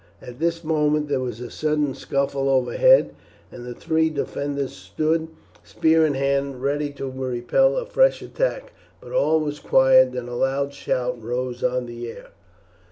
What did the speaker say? At this moment there was a sudden scuffle overhead, and the three defenders stood, spear in hand, ready to repel a fresh attack; but all was quiet; then a loud shout rose on the air.